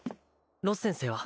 ロス先生は？